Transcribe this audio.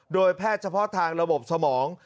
โดยแพทย์เฉพาะทางระบบสมอง